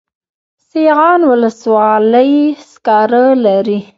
سیغان ولسوالۍ سکاره لري؟